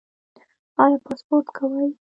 ایا سپورت کوئ؟